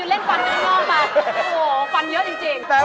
โอ้โหฟันเยอะจริง